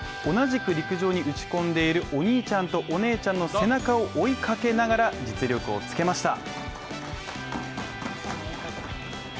同じく陸上に打ち込んでいるお兄ちゃんとお姉ちゃんの背中を追いかけながら実力をつけました。